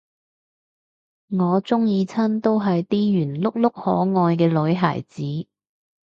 我鍾意親都係啲圓碌碌可愛嘅女孩子